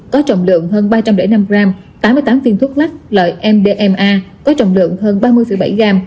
có trọng lượng hơn ba trăm linh năm gram tám mươi tám viên thuốc lắc loại mdma có trọng lượng hơn ba mươi bảy gram